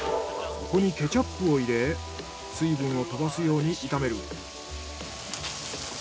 ここにケチャップを入れ水分を飛ばすように炒める。